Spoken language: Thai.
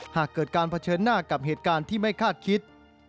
หากเกิดการเผชิญหน้ากับเหตุการณ์ที่ไม่คาดคิด